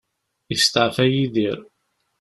Isteɛfa Yidir.